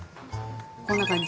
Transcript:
こんな感じ。